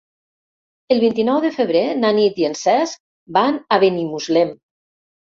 El vint-i-nou de febrer na Nit i en Cesc van a Benimuslem.